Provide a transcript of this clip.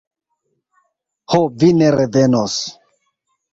Ho, vi ne revenos...